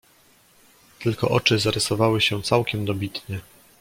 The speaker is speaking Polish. "Tylko oczy zarysowywały się całkiem dobitnie."